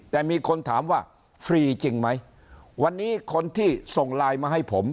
แต่มีคนถามว่าฟรีจริงไหมวันนี้คนที่ส่งไลน์มาให้ผม